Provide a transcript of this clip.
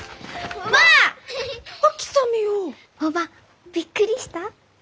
おばぁびっくりした？